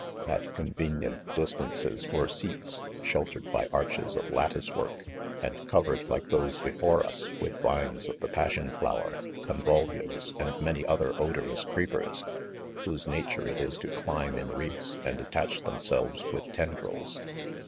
At convenient distances were seals, shelter ed by arches of lattice work, and covered,. lilce those before us, with vines of the passicn flower, convolvulus, and many other odorous cieepers, whose nature it is to climb in wreaths, and attach themselves with, tendrils.